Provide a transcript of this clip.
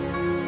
ya ke belakang